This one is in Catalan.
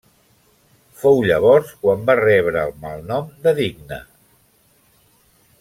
Fou llavors quan va rebre el malnom de Digna.